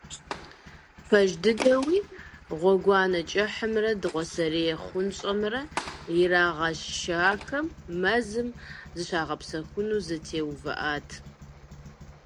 Пэж дыдэуи, гъуэгуанэ кӀыхьымрэ дыгъуасэрей хъунщӀэмрэ ирагъэшахэм мэзым зыщагъэпсэхуну зэтеувыӀат.